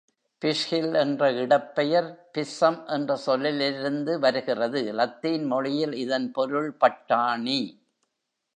Pishill என்ற இடப்பெயர் "pisum" என்ற சொல்லிலிருந்து வருகிறது, லத்தீன் மொழியில் இதன் பொருள் பட்டாணி.